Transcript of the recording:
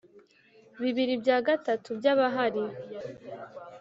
bibiri bya gatatu by abahari